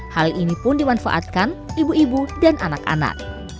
hal ini pun dimanfaatkan ibu ibu dan anak anak